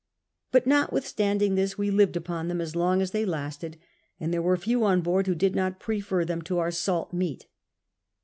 But notwithstanding this we lived upon them as long as they lasted, and there were few on board who did not prefer them to our salt meat.